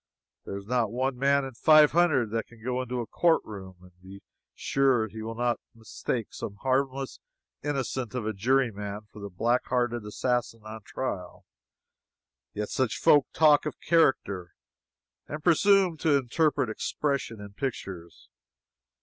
There is not one man in five hundred that can go into a court room and be sure that he will not mistake some harmless innocent of a juryman for the black hearted assassin on trial. Yet such people talk of "character" and presume to interpret "expression" in pictures.